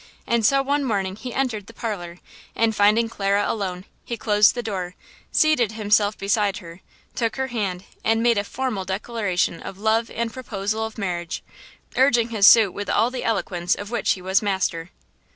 And so one morning he entered the parlor and, finding Clara alone, he closed the door, seated himself beside her, took her hand and made a formal declaration of love and proposal of marriage, urging his suit with all the eloquence of which he was master.